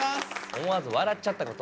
「思わず笑っちゃったこと」